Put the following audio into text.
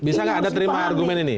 bisa nggak anda terima argumen ini